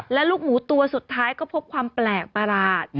และลูกหมูตัวสุดท้ายก็พบความแปลกประหลาด